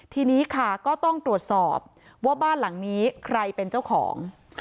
ทีนี้ค่ะก็ต้องตรวจสอบว่าบ้านหลังนี้ใครเป็นเจ้าของ